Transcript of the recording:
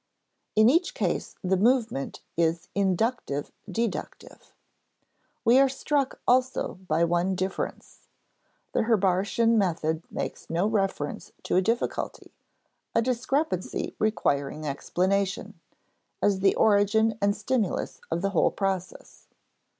In each case, the movement is inductive deductive. We are struck also by one difference: the Herbartian method makes no reference to a difficulty, a discrepancy requiring explanation, as the origin and stimulus of the whole process.